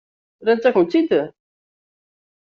Rrant-akent-tt-id?